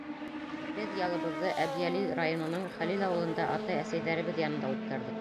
— Беҙ ялыбыҙҙы Әбйәлил районының Хәлил ауылында атай-әсәйҙәребеҙ янында үткәрҙек.